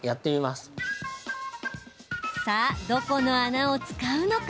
さあ、どこの穴を使うのか？